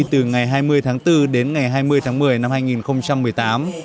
từ ngày hai mươi tháng bốn đến ngày hai mươi tháng một mươi năm hai nghìn một mươi tám